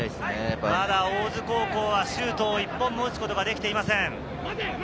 まだ大津高校はシュートを１本も打つことができていません。